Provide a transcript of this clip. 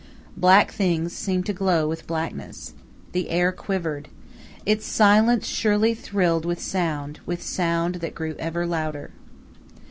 Black things seemed to glow with blackness. The air quivered. Its silence surely thrilled with sound with sound that grew ever louder.